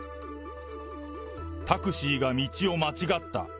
タクシーが道を間違った。